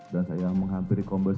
dan saya menghampiri kompos